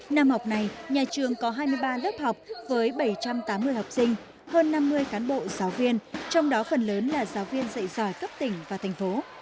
năm học này nhà trường có hai mươi ba lớp học với bảy trăm tám mươi học sinh hơn năm mươi cán bộ giáo viên trong đó phần lớn là giáo viên dạy giỏi cấp tỉnh và thành phố